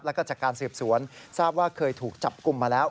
แล้วก็จากการสืบสวนทราบว่าเคยถูกจับกลุ่มมาแล้ว